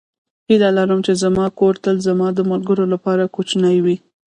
هیله لرم چې زما کور تل زما د ملګرو لپاره کوچنی وي.